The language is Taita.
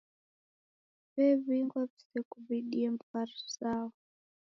W'ew'ighwa w'isekuw'idie mbuw'a zao.